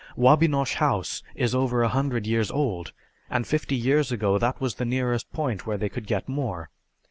Wabinosh House is over a hundred years old, and fifty years ago that was the nearest point where they could get more.